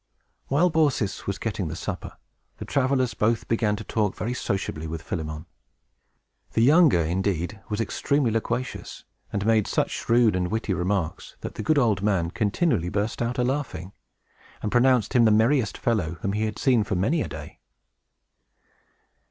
While Baucis was getting the supper, the travelers both began to talk very sociably with Philemon. The younger, indeed, was extremely loquacious, and made such shrewd and witty remarks, that the good old man continually burst out a laughing, and pronounced him the merriest fellow whom he had seen for many a day.